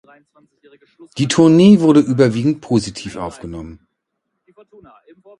Die Tournee wurde überwiegend positiv aufgenommen.